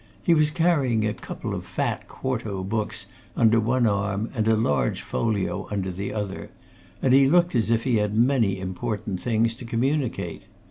He was carrying a couple of fat quarto books under one arm, and a large folio under the other, and he looked as if he had many important things to communicate.